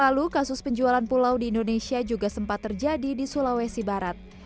lalu kasus penjualan pulau di indonesia juga sempat terjadi di sulawesi barat